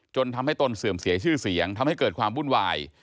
จนทำให้ตนเสื่อมเสียชื่อเสียงทำให้เกิดความวุ่นวาย